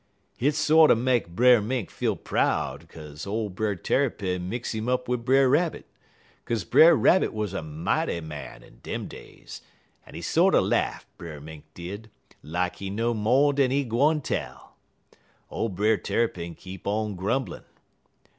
"Hit sorter make Brer Mink feel proud 'kaze ole Brer Tarrypin mix 'im up wid Brer Rabbit, 'kaze Brer Rabbit wuz a mighty man in dem days, en he sorter laugh, Brer Mink did, lak he know mo' dan he gwine tell. Ole Brer Tarrypin keep on grumblin'.